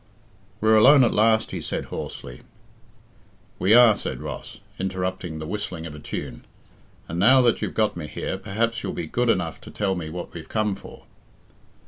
"We're alone at last," he said hoarsely. "We are," said Ross, interrupting the whistling of a tune, "and now that you've got me here, perhaps you'll be good enough to tell me what we've come for."